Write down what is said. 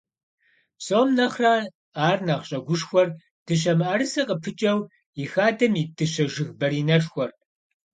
Псом нэхърэ ар нэхъ щӀэгушхуэр дыщэ мыӀэрысэ къыпыкӀэу и хадэм ит дыщэ жыг баринэшхуэрт.